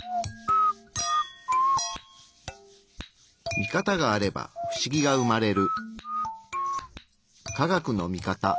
ミカタがあればフシギが生まれる。